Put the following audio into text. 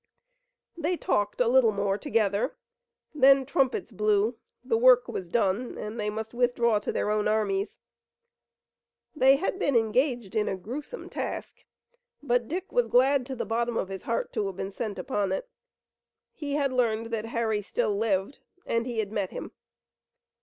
They talked a little more together, then trumpets blew, the work was done and they must withdraw to their own armies. They had been engaged in a grewsome task, but Dick was glad to the bottom of his heart to have been sent upon it. He had learned that Harry still lived, and he had met him.